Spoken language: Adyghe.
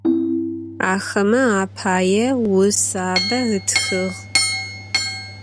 Axeme apaê vusabe ıtxığ.